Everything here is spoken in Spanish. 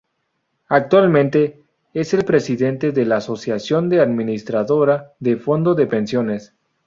Actualmente es el Presidente de la Asociación de Administradora de Fondo de Pensiones